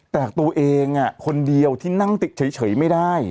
แต่ตัวเองคนเดียวที่นั่งติดเฉยไม่ได้